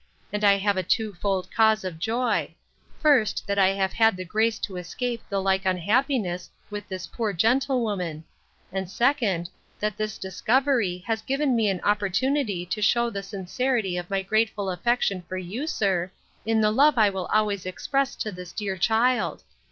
And I have a twofold cause of joy; first, That I have had the grace to escape the like unhappiness with this poor gentlewoman: and next, That this discovery has given me an opportunity to shew the sincerity of my grateful affection for you, sir, in the love I will always express to this dear child.